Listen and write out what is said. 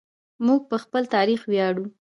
موږ په خپل تاریخ ویاړو.